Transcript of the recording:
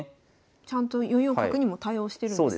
ちゃんと４四角にも対応してるんですね。